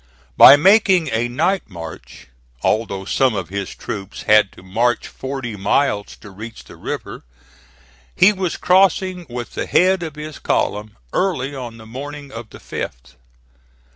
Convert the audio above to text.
By making a night march, although some of his troops had to march forty miles to reach the river, he was crossing with the head of his column early on the morning of the 5th.